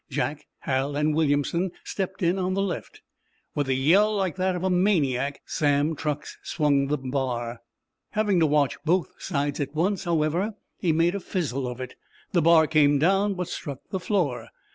Jack, Hal and Williamson stepped in on the left. With a yell like that of a maniac Sam Truax swung the bar. Having to watch both sides at once, however, he made a fizzle of it. The bar came down, but struck the floor.